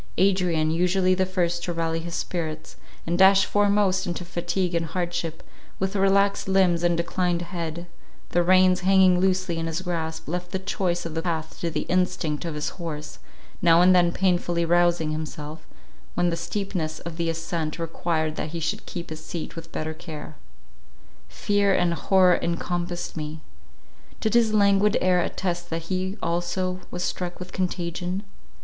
Adrian, usually the first to rally his spirits, and dash foremost into fatigue and hardship, with relaxed limbs and declined head, the reins hanging loosely in his grasp, left the choice of the path to the instinct of his horse, now and then painfully rousing himself, when the steepness of the ascent required that he should keep his seat with better care. Fear and horror encompassed me. Did his languid air attest that he also was struck with contagion?